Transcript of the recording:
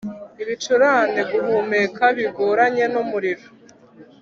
ibicurane, guhumeka bigoranye n’umuriro.